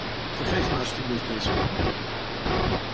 Vergeef me alstublieft deze opmerking.